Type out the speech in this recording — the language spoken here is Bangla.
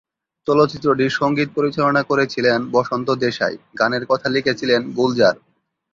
চলচ্চিত্রটির সংগীত পরিচালনা করেছিলেন বসন্ত দেশাই, গানের কথা লিখেছিলেন গুলজার।